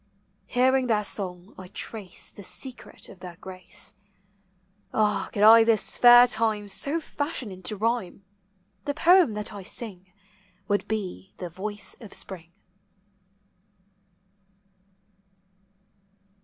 Hearing their song, I trace the secret of their grace. Ah, could I this fair time so fashion into rhyme, The poem that I sing w r ould be the voice of spring.